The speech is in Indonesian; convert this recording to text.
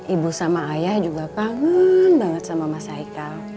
ibu sama ayah juga kangen banget sama mas haikal